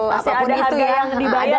masih ada harga yang dibayar ya